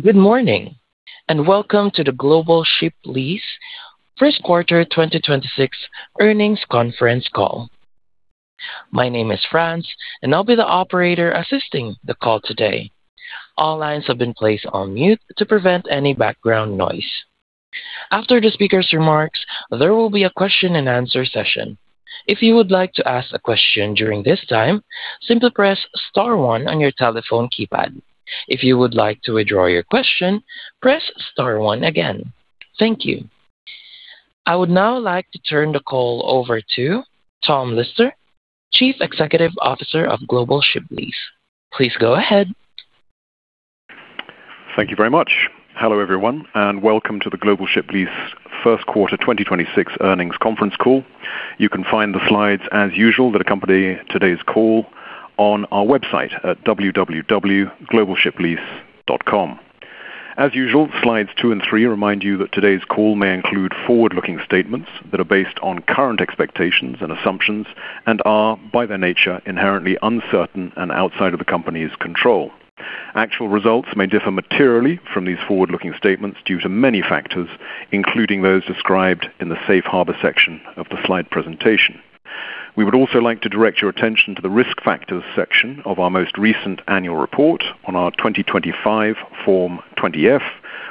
Good morning, and welcome to the Global Ship Lease 1st quarter 2026 earnings conference call. My name is Franz, and I'll be the operator assisting the call today. All lines have been placed on mute to prevent any background noise. After the speaker's remarks, there will be a question and answer session. If you would like to ask a question during this time, simply press star one on your telephone keypad. If you would like to withdraw your question, press star one again. Thank you. I would now like to turn the call over to Thomas Lister, Chief Executive Officer of Global Ship Lease. Please go ahead. Thank you very much. Hello, everyone, and welcome to the Global Ship Lease first quarter 2026 earnings conference call. You can find the slides as usual that accompany today's call on our website at www.globalshiplease.com. As usual, Slides 2 and 3 remind you that today's call may include forward-looking statements that are based on current expectations and assumptions and are, by their nature, inherently uncertain and outside of the company's control. Actual results may differ materially from these forward-looking statements due to many factors, including those described in the safe harbor section of the slide presentation. We would also like to direct your attention to the risk factors section of our most recent annual report on our 2025 Form 20-F,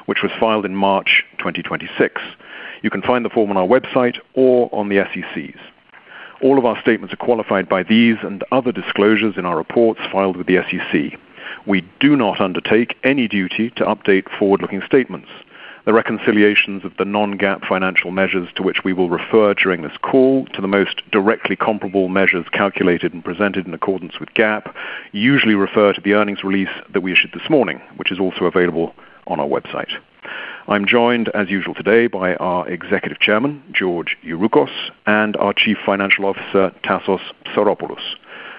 which was filed in March 2026. You can find the form on our website or on the SEC's. All of our statements are qualified by these and other disclosures in our reports filed with the SEC. We do not undertake any duty to update forward-looking statements. The reconciliations of the non-GAAP financial measures to which we will refer during this call to the most directly comparable measures calculated and presented in accordance with GAAP usually refer to the earnings release that we issued this morning, which is also available on our website. I'm joined as usual today by our Executive Chairman, George Youroukos, and our Chief Financial Officer, Tassos Psaropoulos.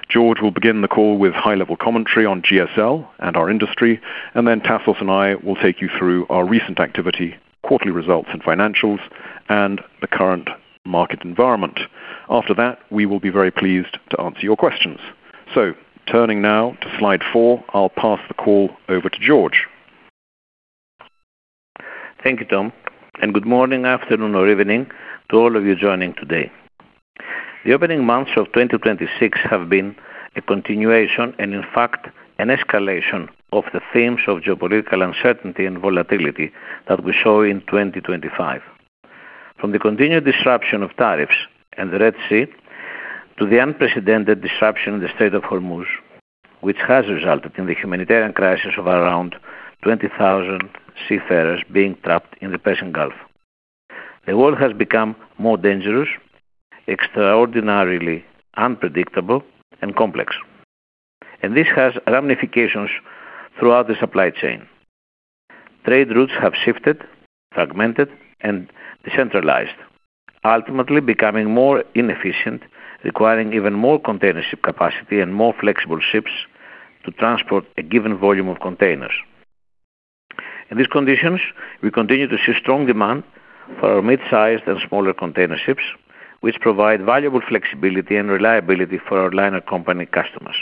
George will begin the call with high-level commentary on GSL and our industry, and then Tassos and I will take you through our recent activity, quarterly results, and financials, and the current market environment. After that, we will be very pleased to answer your questions. Turning now to Slide 4, I'll pass the call over to George. Thank you, Tom, and good morning, afternoon, or evening to all of you joining today. The opening months of 2026 have been a continuation and in fact, an escalation of the themes of geopolitical uncertainty and volatility that we saw in 2025. From the continued disruption of tariffs and the Red Sea to the unprecedented disruption in the Strait of Hormuz, which has resulted in the humanitarian crisis of around 20,000 seafarers being trapped in the Persian Gulf. The world has become more dangerous, extraordinarily unpredictable, and complex. This has ramifications throughout the supply chain. Trade routes have shifted, fragmented, and decentralized, ultimately becoming more inefficient, requiring even more container ship capacity and more flexible ships to transport a given volume of containers. In these conditions, we continue to see strong demand for our mid-sized and smaller container ships, which provide valuable flexibility and reliability for our liner company customers.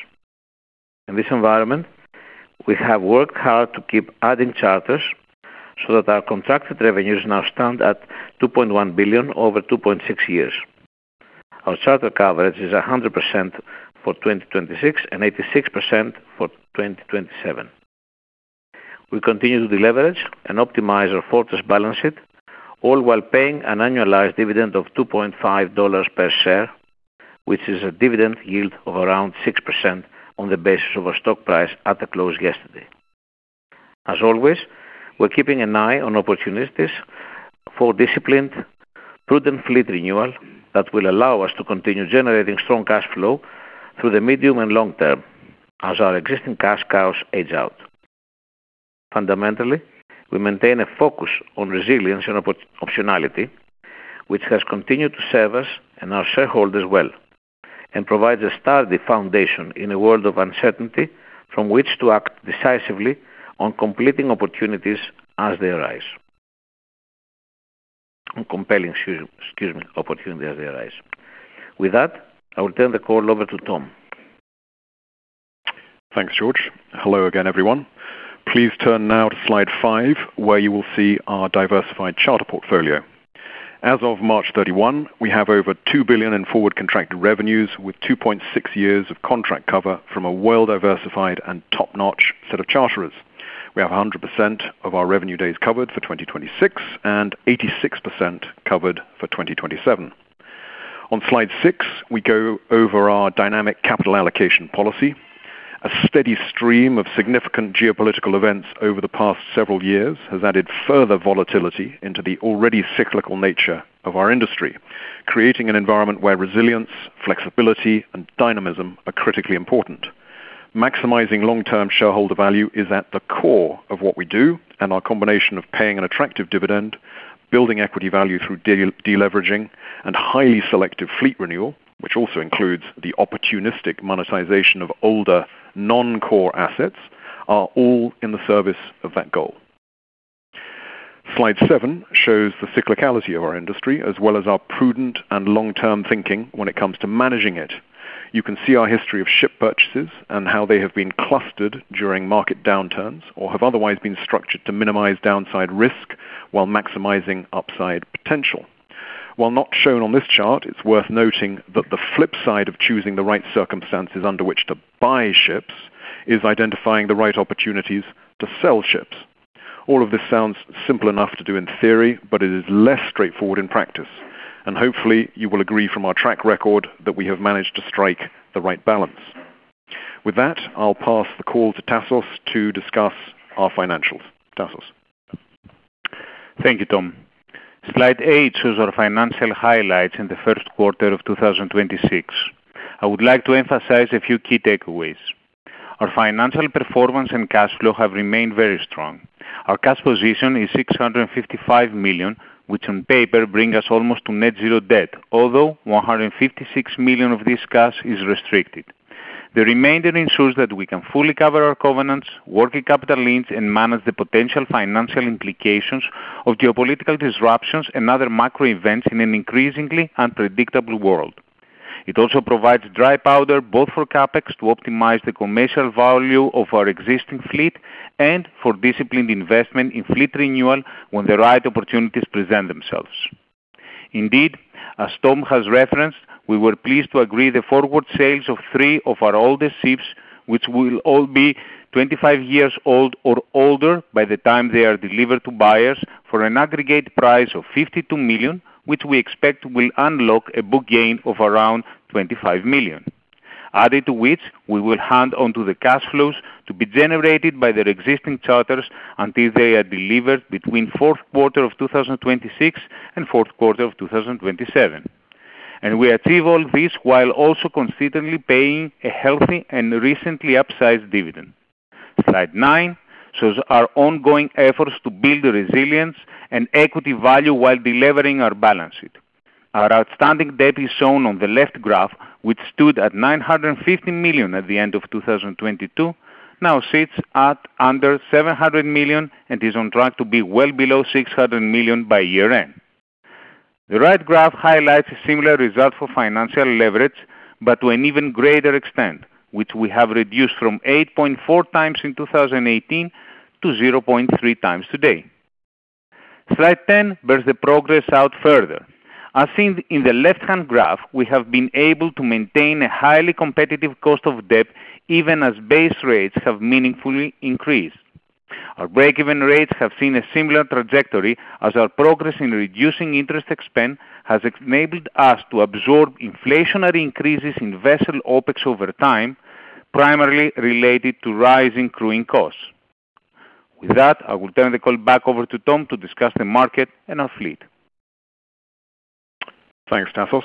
In this environment, we have worked hard to keep adding charters so that our contracted revenues now stand at $2.1 billion over 2.6 years. Our charter coverage is 100% for 2026 and 86% for 2027. We continue to deleverage and optimize our fortress balance sheet, all while paying an annualized dividend of $2.5 per share, which is a dividend yield of around 6% on the basis of our stock price at the close yesterday. As always, we're keeping an eye on opportunities for disciplined, prudent fleet renewal that will allow us to continue generating strong cash flow through the medium and long term as our existing cash cows age out. Fundamentally, we maintain a focus on resilience and optionality, which has continued to serve us and our shareholders well and provides a sturdy foundation in a world of uncertainty from which to act decisively on completing opportunities as they arise. On compelling, excuse me, opportunities as they arise. With that, I will turn the call over to Tom. Thanks, George. Hello again, everyone. Please turn now to Slide 5, where you will see our diversified charter portfolio. As of March 31, we have over $2 billion in forward contracted revenues with 2.6 years of contract cover from a well-diversified and top-notch set of charterers. We have 100% of our revenue days covered for 2026 and 86% covered for 2027. On Slide 6, we go over our dynamic capital allocation policy. A steady stream of significant geopolitical events over the past several years has added further volatility into the already cyclical nature of our industry, creating an environment where resilience, flexibility, and dynamism are critically important. Maximizing long-term shareholder value is at the core of what we do, and our combination of paying an attractive dividend, building equity value through deleveraging, and highly selective fleet renewal, which also includes the opportunistic monetization of older non-core assets, are all in the service of that goal. Slide 7 shows the cyclicality of our industry, as well as our prudent and long-term thinking when it comes to managing it. You can see our history of ship purchases and how they have been clustered during market downturns or have otherwise been structured to minimize downside risk while maximizing upside potential. While not shown on this chart, it is worth noting that the flip side of choosing the right circumstances under which to buy ships is identifying the right opportunities to sell ships. All of this sounds simple enough to do in theory, but it is less straightforward in practice, and hopefully, you will agree from our track record that we have managed to strike the right balance. With that, I'll pass the call to Tassos to discuss our financials. Tassos? Thank you, Tom. Slide 8 shows our financial highlights in the 1st quarter of 2026. I would like to emphasize a few key takeaways. Our financial performance and cash flow have remained very strong. Our cash position is $655 million, which on paper brings us almost to net zero debt, although $156 million of this cash is restricted. The remainder ensures that we can fully cover our covenants, working capital lines, and manage the potential financial implications of geopolitical disruptions and other macro events in an increasingly unpredictable world. It also provides dry powder, both for CapEx to optimize the commercial value of our existing fleet and for disciplined investment in fleet renewal when the right opportunities present themselves. Indeed, as Tom has referenced, we were pleased to agree the forward sales of three of our oldest ships, which will all be 25 years old or older by the time they are delivered to buyers for an aggregate price of $52 million, which we expect will unlock a book gain of around $25 million. Added to which, we will hand on to the cash flows to be generated by their existing charters until they are delivered between fourth quarter of 2026 and fourth quarter of 2027. We achieve all this while also consistently paying a healthy and recently upsized dividend. Slide 9 shows our ongoing efforts to build resilience and equity value while delevering our balance sheet. Our outstanding debt is shown on the left graph, which stood at $950 million at the end of 2022, now sits at under $700 million and is on track to be well below $600 million by year-end. The right graph highlights a similar result for financial leverage, but to an even greater extent, which we have reduced from 8.4x in 2018 to 0.3x today. Slide 10 bears the progress out further. As seen in the left-hand graph, we have been able to maintain a highly competitive cost of debt even as base rates have meaningfully increased. Our break-even rates have seen a similar trajectory as our progress in reducing interest expense has enabled us to absorb inflationary increases in vessel OpEx over time, primarily related to rising crewing costs. With that, I will turn the call back over to Thomas to discuss the market and our fleet. Thanks, Tassos.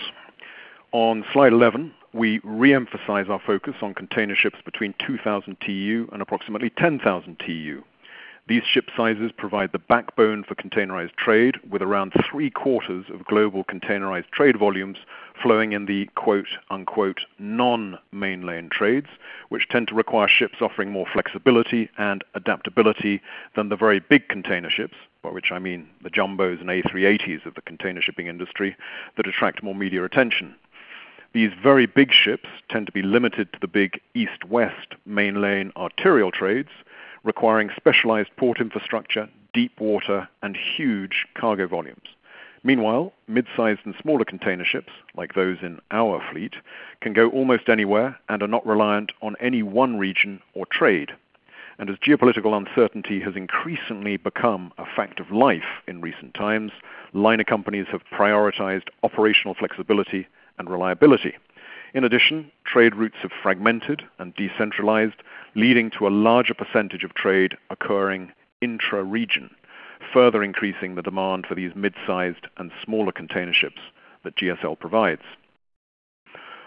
On Slide 11, we reemphasize our focus on container ships between 2,000 TEU and approximately 10,000 TEU. These ship sizes provide the backbone for containerized trade with around three-quarters of global containerized trade volumes flowing in the "non-mainline trades," which tend to require ships offering more flexibility and adaptability than the very big container ships, by which I mean the jumbos and A380s of the container shipping industry that attract more media attention. These very big ships tend to be limited to the big East-West mainline arterial trades, requiring specialized port infrastructure, deep water, and huge cargo volumes. Meanwhile, mid-sized and smaller container ships, like those in our fleet, can go almost anywhere and are not reliant on any one region or trade. As geopolitical uncertainty has increasingly become a fact of life in recent times, liner companies have prioritized operational flexibility and reliability. In addition, trade routes have fragmented and decentralized, leading to a larger percentage of trade occurring intra-region, further increasing the demand for these mid-sized and smaller container ships that GSL provides.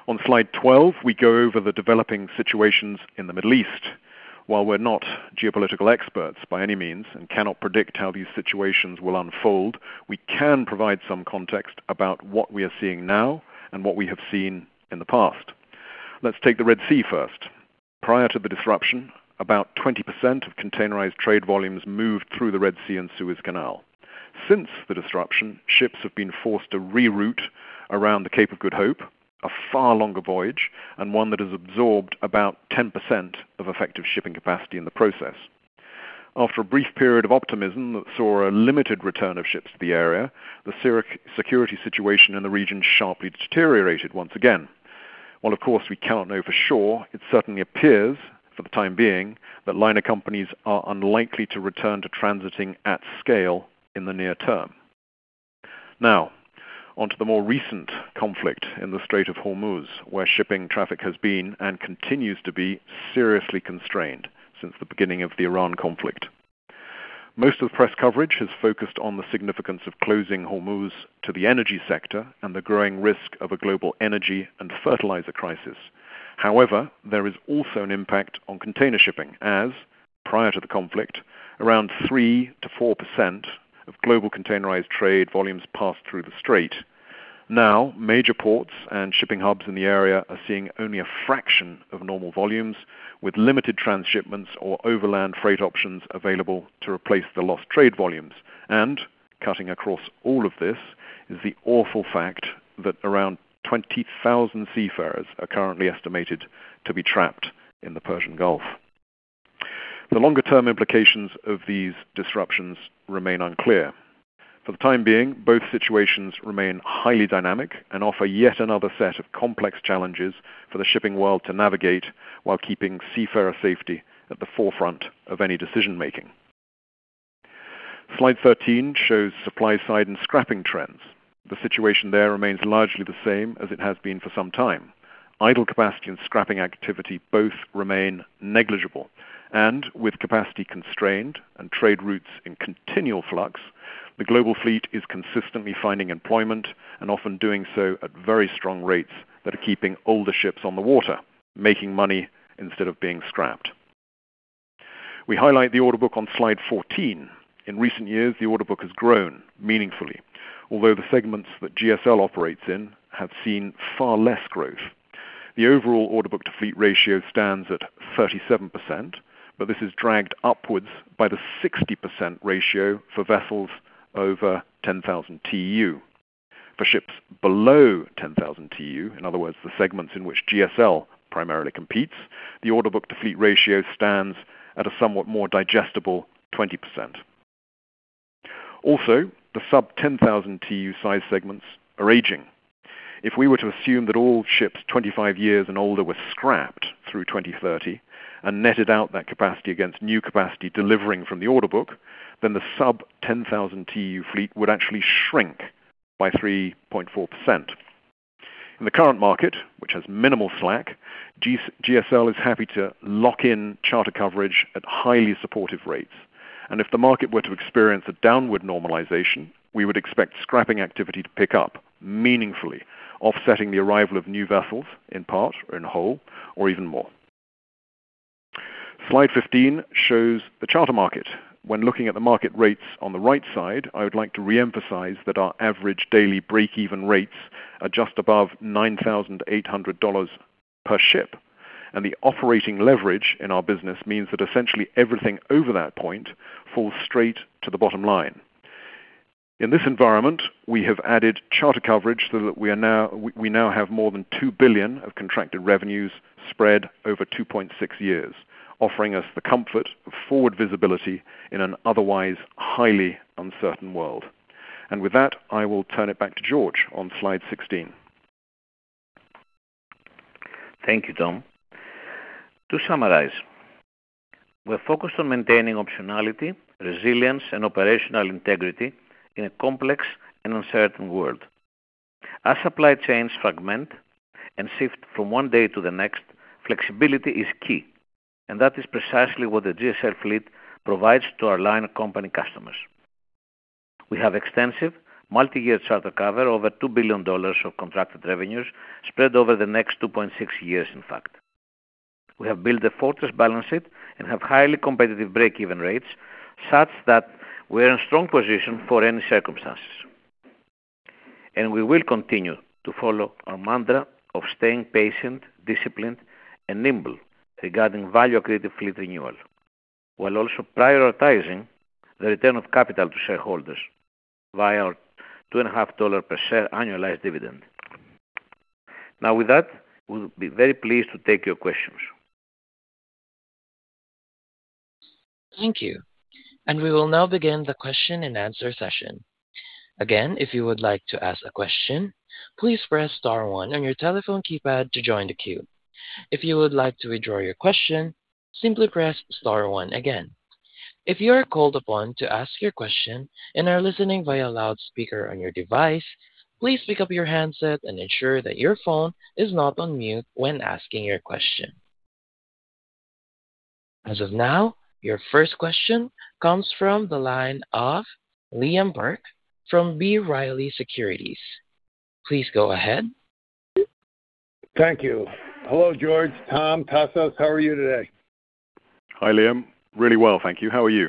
On Slide 12, we go over the developing situations in the Middle East. While we're not geopolitical experts by any means and cannot predict how these situations will unfold, we can provide some context about what we are seeing now and what we have seen in the past. Let's take the Red Sea first. Prior to the disruption, about 20% of containerized trade volumes moved through the Red Sea and Suez Canal. Since the disruption, ships have been forced to reroute around the Cape of Good Hope, a far longer voyage, and one that has absorbed about 10% of effective shipping capacity in the process. After a brief period of optimism that saw a limited return of ships to the area, the security situation in the region sharply deteriorated once again. While of course, we cannot know for sure, it certainly appears, for the time being, that liner companies are unlikely to return to transiting at scale in the near term. Now, onto the more recent conflict in the Strait of Hormuz, where shipping traffic has been and continues to be seriously constrained since the beginning of the Iran conflict. Most of the press coverage has focused on the significance of closing Hormuz to the energy sector and the growing risk of a global energy and fertilizer crisis. There is also an impact on container shipping as, prior to the conflict, around 3%-4% of global containerized trade volumes passed through the strait. Major ports and shipping hubs in the area are seeing only a fraction of normal volumes, with limited transshipments or overland freight options available to replace the lost trade volumes. Cutting across all of this is the awful fact that around 20,000 seafarers are currently estimated to be trapped in the Persian Gulf. The longer-term implications of these disruptions remain unclear. For the time being, both situations remain highly dynamic and offer yet another set of complex challenges for the shipping world to navigate while keeping seafarer safety at the forefront of any decision-making. Slide 13 shows supply side and scrapping trends. The situation there remains largely the same as it has been for some time. Idle capacity and scrapping activity both remain negligible. With capacity constrained and trade routes in continual flux, the global fleet is consistently finding employment and often doing so at very strong rates that are keeping older ships on the water, making money instead of being scrapped. We highlight the order book on Slide 14. In recent years, the order book has grown meaningfully, although the segments that GSL operates in have seen far less growth. The overall order book to fleet ratio stands at 37%, but this is dragged upwards by the 60% ratio for vessels over 10,000 TEU. For ships below 10,000 TEU, in other words, the segments in which GSL primarily competes, the order book to fleet ratio stands at a somewhat more digestible 20%. Also, the sub-10,000 TEU size segments are aging. If we were to assume that all ships 25 years and older were scrapped through 2030 and netted out that capacity against new capacity delivering from the order book, then the sub-10,000 TEU fleet would actually shrink by 3.4%. In the current market, which has minimal slack, GSL is happy to lock in charter coverage at highly supportive rates. If the market were to experience a downward normalization, we would expect scrapping activity to pick up meaningfully, offsetting the arrival of new vessels in part or in whole or even more. Slide 15 shows the charter market. When looking at the market rates on the right side, I would like to reemphasize that our average daily break-even rates are just above $9,800 per ship. The operating leverage in our business means that essentially everything over that point falls straight to the bottom line. In this environment, we have added charter coverage so that we now have more than $2 billion of contracted revenues spread over 2.6 years, offering us the comfort of forward visibility in an otherwise highly uncertain world. With that, I will turn it back to George on Slide 16. Thank you, Tom. To summarize, we're focused on maintaining optionality, resilience, and operational integrity in a complex and uncertain world. Our supply chains fragment and shift from one day to the next, flexibility is key, and that is precisely what the GSL fleet provides to our liner company customers. We have extensive multi-year charter cover, over $2 billion of contracted revenues spread over the next 2.6 years, in fact. We have built a fortress balance sheet and have highly competitive break-even rates, such that we are in a strong position for any circumstances. We will continue to follow our mantra of staying patient, disciplined, and nimble regarding value-accretive fleet renewal, while also prioritizing the return of capital to shareholders via our $2.5 per share annualized dividend. Now, with that, we'll be very pleased to take your questions. Thank you. We will now begin the question and answer session. Again, if you would like to ask a question, please press star one on your telephone keypad to join the queue. If you would like to withdraw your question, simply press star one again. If you are called upon to ask your question and are listening via loudspeaker on your device, please pick up your handset and ensure that your phone is not on mute when asking your question. As of now, your first question comes from the line of Liam Burke from B. Riley Securities. Please go ahead. Thank you. Hello, George, Tom, Tassos. How are you today? Hi, Liam. Really well, thank you. How are you?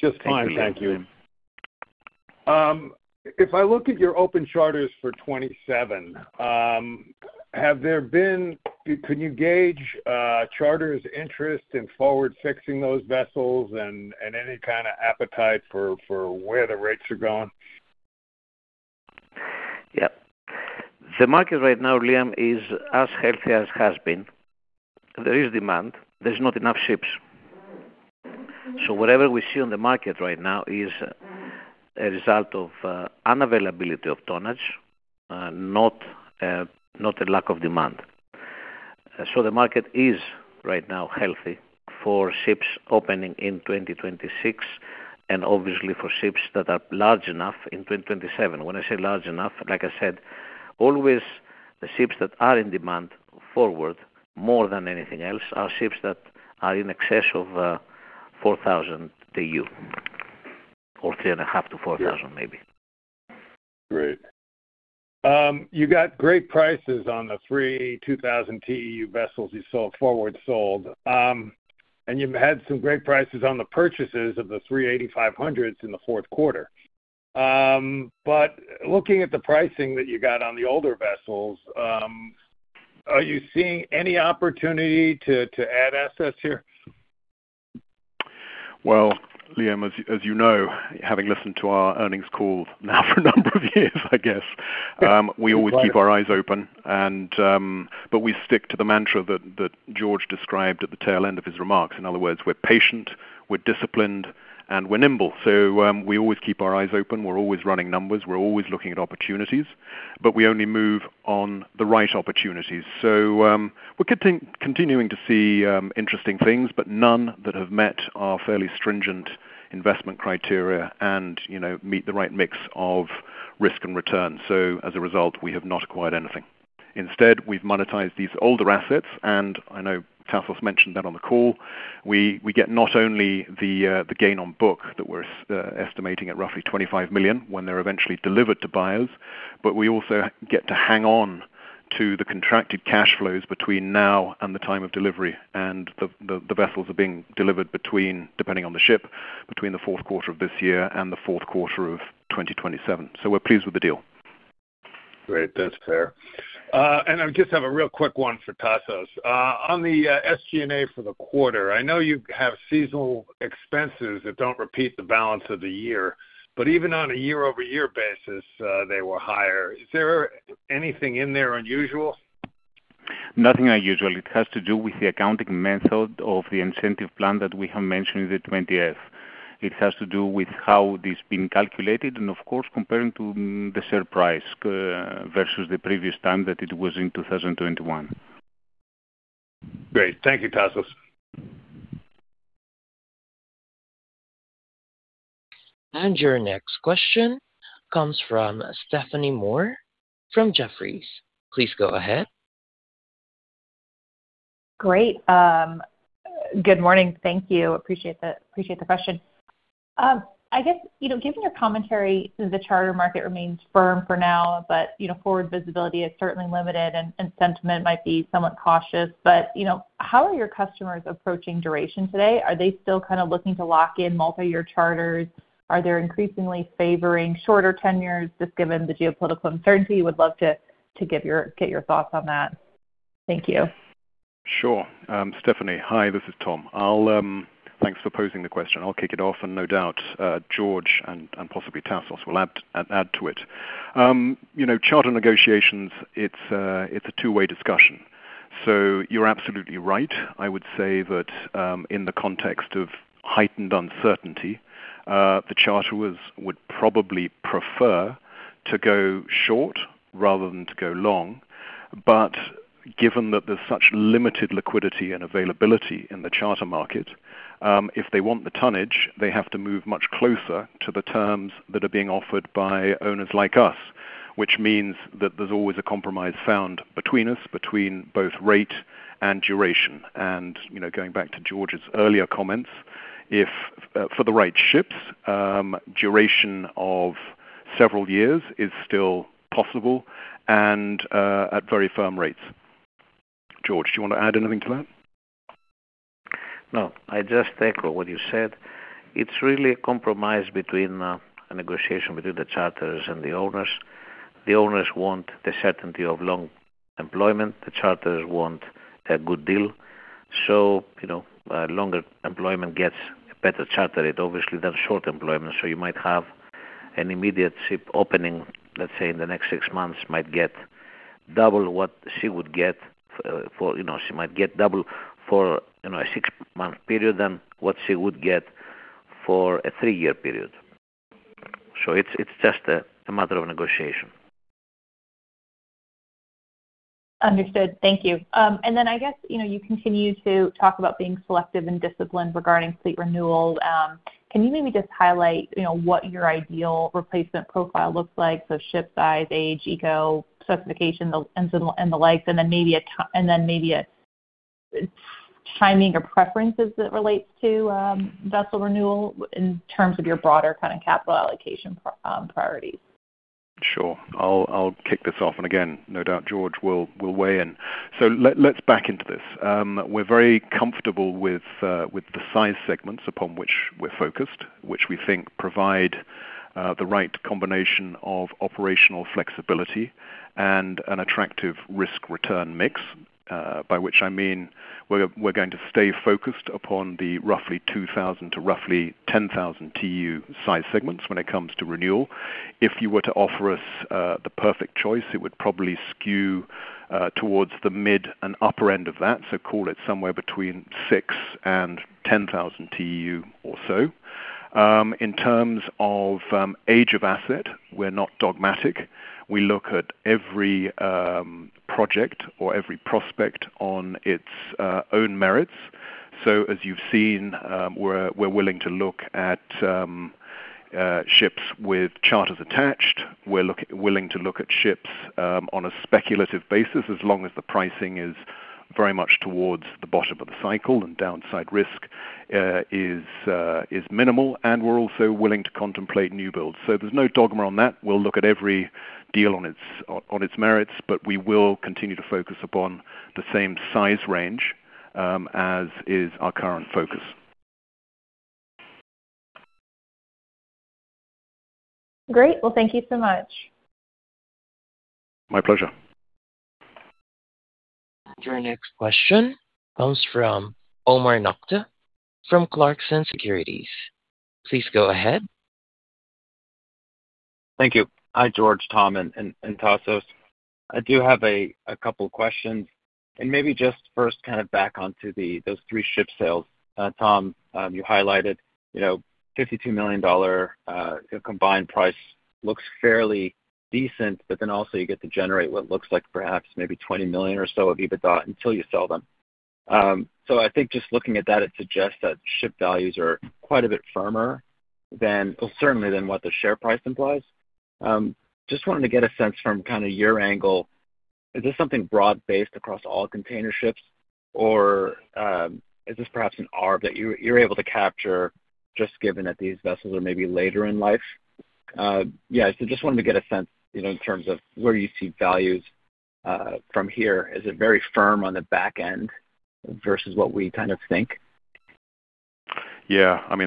Just fine, thank you. Thank you, Liam. If I look at your open charters for 2027, could you gauge charterers' interest in forward fixing those vessels and any kind of appetite for where the rates are going? Yeah. The market right now, Liam, is as healthy as it has been. There is demand. There's not enough ships. Whatever we see on the market right now is a result of unavailability of tonnage, not a lack of demand. The market is right now healthy for ships opening in 2026 and obviously for ships that are large enough in 2027. When I say large enough, like I said, always the ships that are in demand forward more than anything else are ships that are in excess of 4,000 TEU or 3,500 TEU-4,000 TEU maybe. Great. You got great prices on the 3 2,000 TEU vessels you forward sold. You had some great prices on the purchases of the 3 8,500s in the fourth quarter. Looking at the pricing that you got on the older vessels, are you seeing any opportunity to add assets here? Well, Liam, as you know, having listened to our earnings calls now for a number of years I guess. Right we always keep our eyes open, but we stick to the mantra that George described at the tail end of his remarks. In other words, we're patient, we're disciplined, and we're nimble. We always keep our eyes open. We're always running numbers. We're always looking at opportunities. We only move on the right opportunities. We're continuing to see interesting things, but none that have met our fairly stringent investment criteria and meet the right mix of risk and return. As a result, we have not acquired anything. Instead, we've monetized these older assets, and I know Tassos mentioned that on the call. We get not only the gain on book that we're estimating at roughly $25 million when they're eventually delivered to buyers, but we also get to hang on to the contracted cash flows between now and the time of delivery. The vessels are being delivered between, depending on the ship, between the fourth quarter of this year and the fourth quarter of 2027. We're pleased with the deal. Great. That's fair. I just have a real quick one for Tassos. On the SG&A for the quarter, I know you have seasonal expenses that don't repeat the balance of the year, even on a year-over-year basis, they were higher. Is there anything in there unusual? Nothing unusual. It has to do with the accounting method of the incentive plan that we have mentioned in the 20F. It has to do with how it is being calculated and of course, comparing to the share price versus the previous time that it was in 2021. Great. Thank you, Tassos. Your next question comes from Stephanie Moore from Jefferies. Please go ahead. Great. Good morning. Thank you. Appreciate the question. Given your commentary, the charter market remains firm for now, but forward visibility is certainly limited and sentiment might be somewhat cautious. How are your customers approaching duration today? Are they still kind of looking to lock in multi-year charters? Are they increasingly favoring shorter tenures just given the geopolitical uncertainty? Would love to get your thoughts on that. Thank you. Sure. Stephanie, hi. This is Tom. Thanks for posing the question. I'll kick it off and no doubt George and possibly Tassos will add to it. Charter negotiations, it's a two-way discussion. You're absolutely right. I would say that in the context of heightened uncertainty, the charterers would probably prefer to go short rather than to go long. Given that there's such limited liquidity and availability in the charter market, if they want the tonnage, they have to move much closer to the terms that are being offered by owners like us, which means that there's always a compromise found between us, between both rate and duration. Going back to George's earlier comments, for the right ships, duration of several years is still possible and at very firm rates. George, do you want to add anything to that? No, I just echo what you said. It's really a compromise between a negotiation between the charterers and the owners. The owners want the certainty of long employment. The charterers want a good deal. Longer employment gets a better charter rate, obviously, than short employment. You might have an immediate ship opening, let's say, in the next six months might get double what she would get for a six-month period than what she would get for a three-year period. It's just a matter of negotiation. Understood. Thank you. You continue to talk about being selective and disciplined regarding fleet renewal. Can you maybe just highlight what your ideal replacement profile looks like? Ship size, age, eco specification, and the like, maybe a timing or preferences as it relates to vessel renewal in terms of your broader kind of capital allocation priorities. Sure. I'll kick this off, and again, no doubt George will weigh in. Let's back into this. We're very comfortable with the size segments upon which we're focused, which we think provide the right combination of operational flexibility and an attractive risk-return mix, by which I mean we're going to stay focused upon the roughly 2,000 to roughly 10,000 TEU size segments when it comes to renewal. If you were to offer us the perfect choice, it would probably skew towards the mid and upper end of that, so call it somewhere between 6,000 and 10,000 TEU or so. In terms of age of asset, we're not dogmatic. We look at every project or every prospect on its own merits. As you've seen, we're willing to look at ships with charters attached. We're willing to look at ships on a speculative basis as long as the pricing is very much towards the bottom of the cycle and downside risk is minimal, and we're also willing to contemplate new builds. There's no dogma on that. We'll look at every deal on its merits, we will continue to focus upon the same size range as is our current focus. Great. Well, thank you so much. My pleasure. Your next question comes from Omar Nokta from Clarksons Securities. Please go ahead. Thank you. Hi, George, Tom, and Tassos. I do have a couple questions. Maybe just first back onto those three ship sales. Tom, you highlighted $52 million combined price looks fairly decent, also you get to generate what looks like perhaps maybe $20 million or so of EBITDA until you sell them. I think just looking at that, it suggests that ship values are quite a bit firmer, certainly than what the share price implies. Just wanted to get a sense from your angle, is this something broad-based across all container ships, or is this perhaps an arb that you're able to capture just given that these vessels are maybe later in life? Yeah. Just wanted to get a sense in terms of where you see values from here. Is it very firm on the back end versus what we think?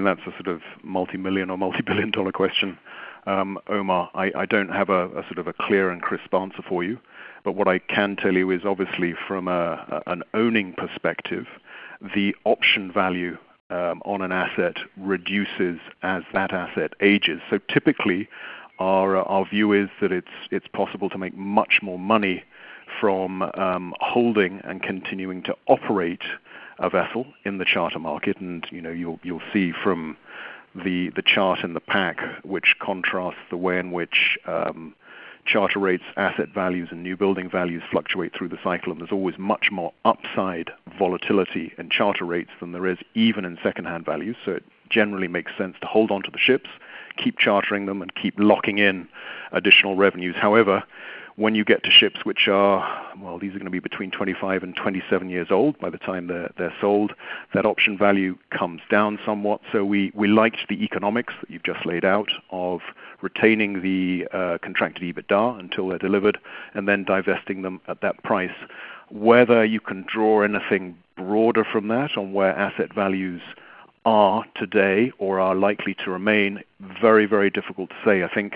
That's a sort of multi-million or multi-billion dollar question. Omar, I don't have a clear and crisp answer for you, but what I can tell you is obviously from an owning perspective, the option value on an asset reduces as that asset ages. Typically, our view is that it's possible to make much more money from holding and continuing to operate a vessel in the charter market. You'll see from the chart in the pack, which contrasts the way in which charter rates, asset values, and new building values fluctuate through the cycle, and there's always much more upside volatility in charter rates than there is even in secondhand values. It generally makes sense to hold onto the ships, keep chartering them, and keep locking in additional revenues. However, when you get to ships which are, well, these are going to be between 25-27 years old by the time they're sold, that option value comes down somewhat. We liked the economics that you've just laid out of retaining the contracted EBITDA until they're delivered, and then divesting them at that price. Whether you can draw anything broader from that on where asset values are today or are likely to remain, very, very difficult to say. I think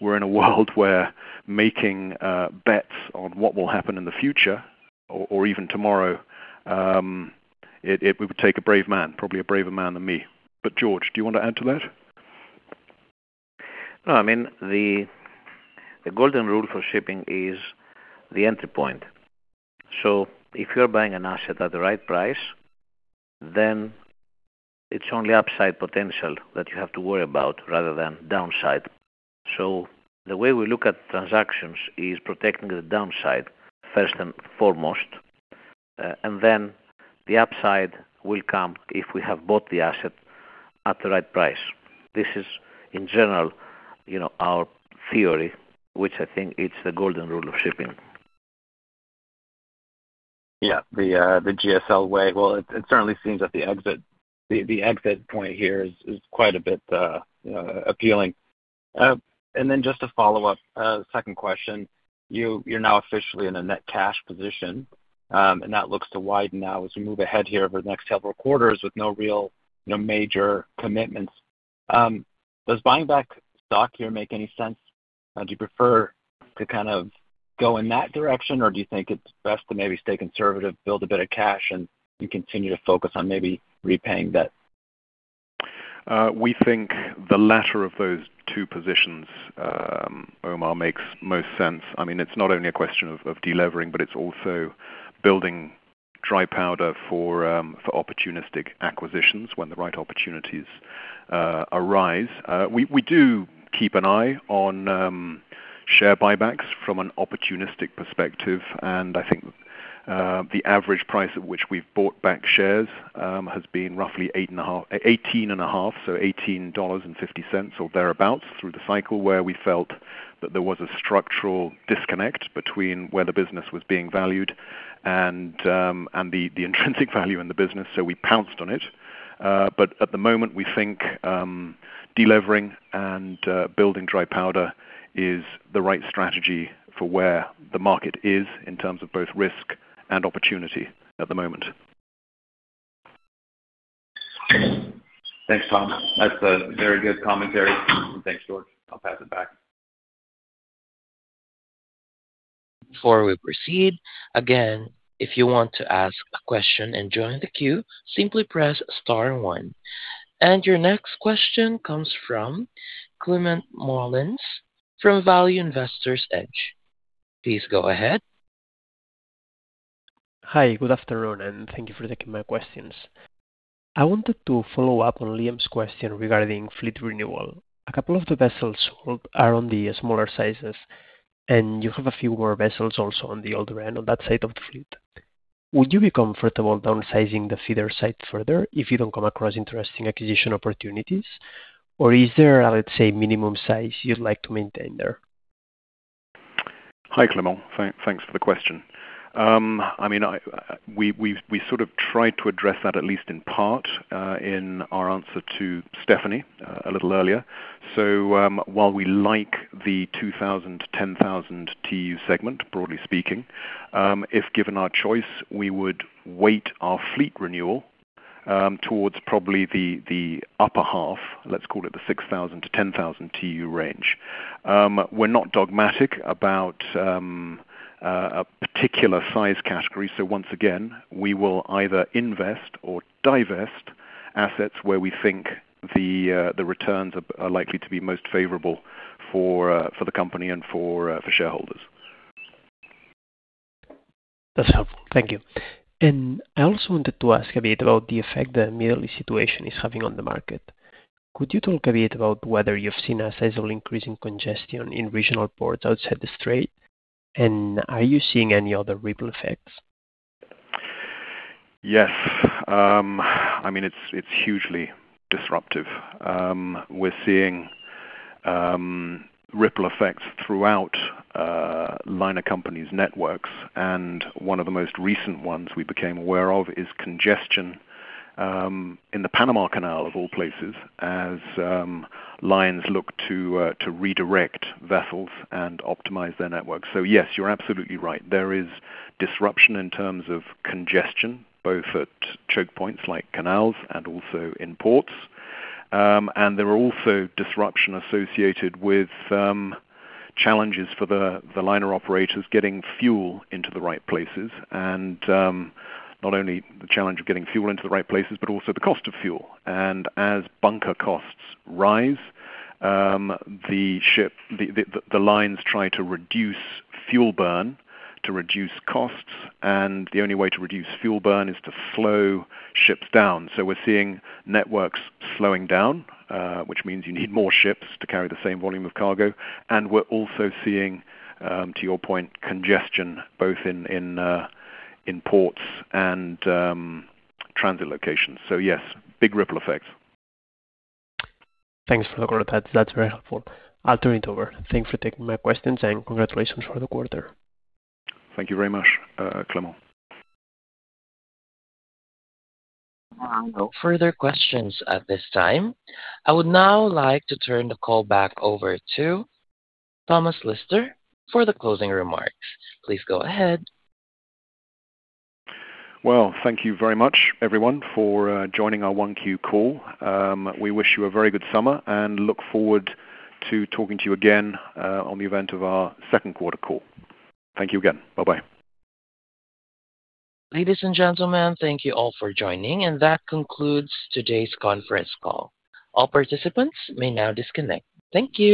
we're in a world where making bets on what will happen in the future or even tomorrow, it would take a brave man, probably a braver man than me. George, do you want to add to that? No, the golden rule for shipping is the entry point. If you're buying an asset at the right price, it's only upside potential that you have to worry about rather than downside. The way we look at transactions is protecting the downside first and foremost, the upside will come if we have bought the asset at the right price. This is in general our theory, which I think it's the golden rule of shipping. Yeah. The GSL way. Well, it certainly seems that the exit point here is quite a bit appealing. Just to follow up, second question. You're now officially in a net cash position, and that looks to widen now as we move ahead here over the next several quarters with no major commitments. Does buying back stock here make any sense? Do you prefer to go in that direction, or do you think it's best to maybe stay conservative, build a bit of cash, and you continue to focus on maybe repaying debt? We think the latter of those two positions, Omar, makes most sense. It's not only a question of de-levering, but it's also building dry powder for opportunistic acquisitions when the right opportunities arise. We do keep an eye on share buybacks from an opportunistic perspective, and I think the average price at which we've bought back shares has been roughly 18 and a half, so $18.50 or thereabouts through the cycle, where we felt that there was a structural disconnect between where the business was being valued and the intrinsic value in the business, so we pounced on it. At the moment, we think de-levering and building dry powder is the right strategy for where the market is in terms of both risk and opportunity at the moment. Thanks, Tom. That's a very good commentary. Thanks, George. I'll pass it back. Before we proceed, again, if you want to ask a question and join the queue, simply press star one. Your next question comes from Climent Molins from Value Investor's Edge. Please go ahead. Hi, good afternoon. Thank you for taking my questions. I wanted to follow up on Liam's question regarding fleet renewal. A couple of the vessels sold are on the smaller sizes, and you have a few more vessels also on the older end on that side of the fleet. Would you be comfortable downsizing the feeder size further if you don't come across interesting acquisition opportunities? Is there, let's say, minimum size you'd like to maintain there? Hi, Climent. Thanks for the question. We sort of tried to address that at least in part, in our answer to Stephanie a little earlier. While we like the 2,000-10,000 TEU segment, broadly speaking, if given our choice, we would weight our fleet renewal towards probably the upper half, let's call it the 6,000-10,000 TEU range. We're not dogmatic about a particular size category, so once again, we will either invest or divest assets where we think the returns are likely to be most favorable for the company and for shareholders. That's helpful. Thank you. I also wanted to ask a bit about the effect the Middle East situation is having on the market. Could you talk a bit about whether you've seen a sizable increase in congestion in regional ports outside the Strait? Are you seeing any other ripple effects? Yes. It's hugely disruptive. We're seeing ripple effects throughout liner companies' networks, and one of the most recent ones we became aware of is congestion in the Panama Canal, of all places, as lines look to redirect vessels and optimize their networks. Yes, you're absolutely right. There is disruption in terms of congestion, both at choke points like canals and also in ports. There are also disruption associated with challenges for the liner operators getting fuel into the right places. Not only the challenge of getting fuel into the right places, but also the cost of fuel. As bunker costs rise, the lines try to reduce fuel burn to reduce costs, and the only way to reduce fuel burn is to slow ships down. We're seeing networks slowing down, which means you need more ships to carry the same volume of cargo. We're also seeing, to your point, congestion both in ports and transit locations. Yes, big ripple effects. Thanks for the color. That is very helpful. I will turn it over. Thanks for taking my questions, and congratulations for the quarter. Thank you very much, Climent. No further questions at this time. I would now like to turn the call back over to Thomas Lister for the closing remarks. Please go ahead. Well, thank you very much, everyone, for joining our One Q call. We wish you a very good summer and look forward to talking to you again on the event of our second quarter call. Thank you again. Bye-bye. Ladies and gentlemen, thank you all for joining, and that concludes today's conference call. All participants may now disconnect. Thank you.